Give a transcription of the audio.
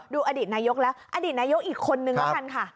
อดีตนายกแล้วอดีตนายกอีกคนนึงแล้วกันค่ะ